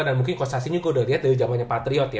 dan mungkin coach cacing juga udah lihat dari zamannya patriot ya